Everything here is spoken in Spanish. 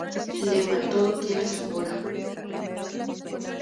Lema: "Todo tiene su hora".